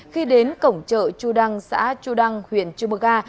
khi đến cổng chợ chù đăng xã chù đăng huyện chimga